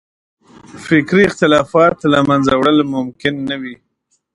فکري اختلافات له منځه وړل ممکن نه وي.